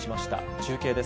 中継です。